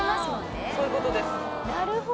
そういうことです。